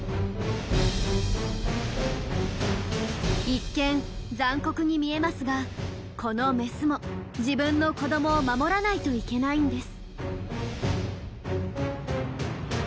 一見残酷に見えますがこのメスも自分の子どもを守らないといけないんです。